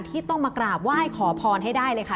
ที่ต้องมากราบไหว้ขอพรให้ได้เลยค่ะ